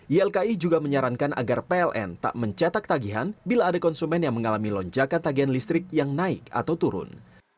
ylki juga menyarankan agar pln tak mencetak tagihan bila ada konsumen yang mengalami lonjakan tagihan listrik yang naik atau turun